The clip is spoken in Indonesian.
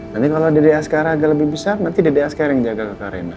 nanti kalau dede askara agak lebih besar nanti dede askara yang jaga kakak rena